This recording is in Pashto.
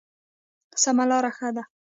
سمه لاره ښه ده.